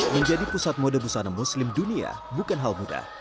menjadi pusat mode busana muslim dunia bukan hal mudah